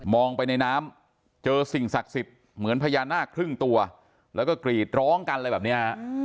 ไปในน้ำเจอสิ่งศักดิ์สิทธิ์เหมือนพญานาคครึ่งตัวแล้วก็กรีดร้องกันอะไรแบบนี้